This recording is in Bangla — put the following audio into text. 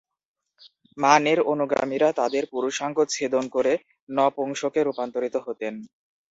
মানির অনুগামীরা তাদের পুরুষাঙ্গ ছেদন করে নপুংসকে রূপান্তরিত হতেন।